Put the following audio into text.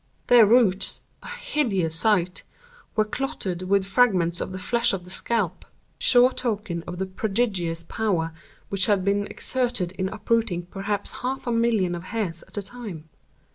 Their roots (a hideous sight!) were clotted with fragments of the flesh of the scalp—sure token of the prodigious power which had been exerted in uprooting perhaps half a million of hairs at a time.